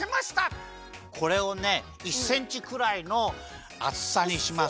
これをね１センチくらいのあつさにします。